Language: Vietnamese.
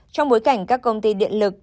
trong bối cảnh các công ty điện lực